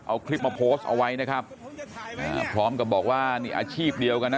เอาคลิปมาโพสต์เอาไว้นะครับอ่าพร้อมกับบอกว่านี่อาชีพเดียวกันนะ